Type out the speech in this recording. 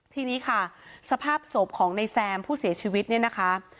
ทีนี้ค่ะสภาพศพของนายแซมผู้เสียชีวิตเนี่ยนะคะ